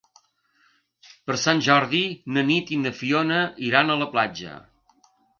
Per Sant Jordi na Nit i na Fiona iran a la platja.